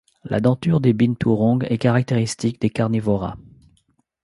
La denture des binturongs est caractéristique des Carnivora.